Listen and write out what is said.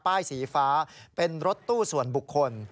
ป้ายสีฟ้าเป็นรถตู้ส่วนบุคคล